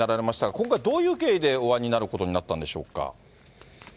今回、どういう経緯でお会いになることになったんでしょうか。